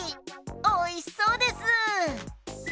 おいしそうです。